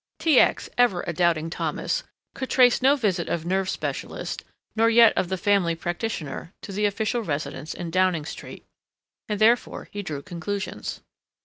T. X., ever a Doubting Thomas, could trace no visit of nerve specialist, nor yet of the family practitioner, to the official residence in Downing Street, and therefore he drew conclusions.